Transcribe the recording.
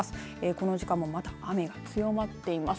この時間もまだ雨が強まっています。